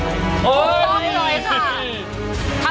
โอ๊ยต้องเลยค่ะ